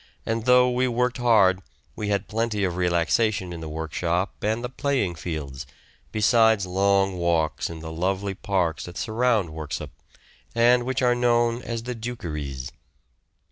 and though we worked hard we had plenty of relaxation in the workshop and the playing fields, besides long walks in the lovely parks that surround Worksop, and which are known as the Dukeries.